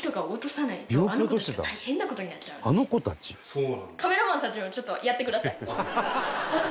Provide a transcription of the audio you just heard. そうなんだ。